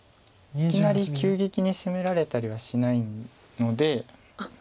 いきなり急激に攻められたりはしないので。